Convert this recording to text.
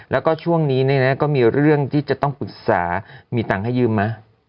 แล้วก็ช่วงนี้เนี่ยนะก็มีเรื่องที่จะต้องปรึกษามีตังค์ให้ยืมไหม